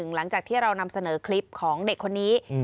หลังจากที่เรานำเสนอคลิปของเด็กคนนี้